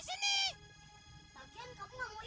tentera lama banget kamu pergi